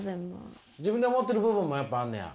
自分で思ってる部分もやっぱあんねや。